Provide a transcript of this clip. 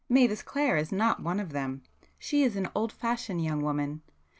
Mavis Clare is not one of them,—she is an 'old fashioned' young woman.